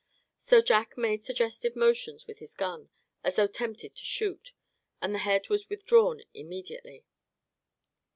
So Jack made suggestive motions with his gun, as though tempted to shoot; and the head was withdrawn immediately.